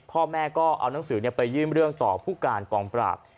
พ่อแม่ก็เอานังสือไปยื่นเรื่องต่อผู้การกองปราบ